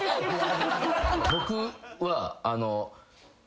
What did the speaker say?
僕は。